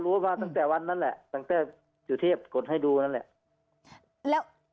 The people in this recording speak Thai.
ผมก็รู้ว่าตั้งแต่วันนั้นแหละตั้งแต่สุเทพกดให้ดูนั่นแหละ